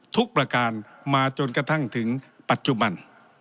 ทุกประการมาจนกระทั่งถึงปัจจุบัน